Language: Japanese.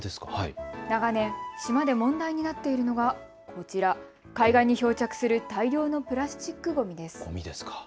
長年、島で問題になっているのがこちら、海岸に漂着する大量のプラスチックごみです。